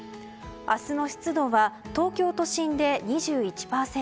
明日の湿度は東京都心で２１％。